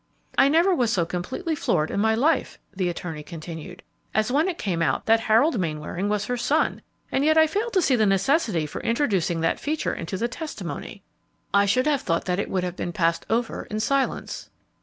"I never was so completely floored in my life," the attorney continued, "as when it came out that Harold Mainwaring was her son; and I yet fail to see the necessity for introducing that feature into the testimony. I should have thought that would have been passed over in silence."